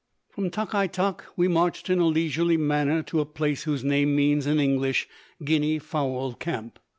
From Tok i Tok we marched in a leisurely manner to a place whose name means in English "guinea fowl camp."